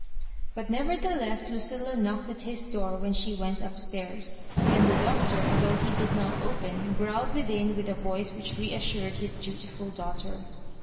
But nevertheless Lucilla knocked at his door when she went up stairs. And the Doctor, though he did not open, growled within with a voice whidi reassured his dutiful daughter.